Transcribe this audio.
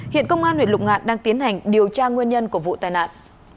hiện công an huyện lục ngạn đang tiến hành điều tra nguyên nhân của vụ tai nạn